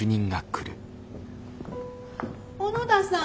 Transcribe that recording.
小野田さん！